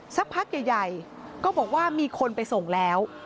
สักพักใหญ่ก็บอกว่ามีคนไปส่งแล้ว